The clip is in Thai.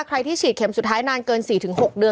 ใครที่ฉีดเข็มสุดท้ายนานเกิน๔๖เดือน